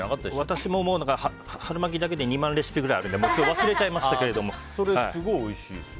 私も春巻きだけで２万レシピあるのでそれすごいおいしいですよ。